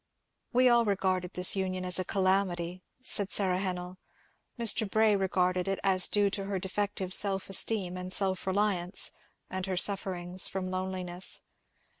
We all regarded this union as a calamity," said Sara Hennell. ^^ Mr. Bray regarded it as due to her defective self esteem and self reliance, and her sufferings from loneliness.